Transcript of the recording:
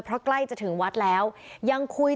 เพราะใกล้จะถึงวัดแล้วยังคุย